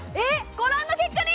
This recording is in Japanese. ご覧の結果に！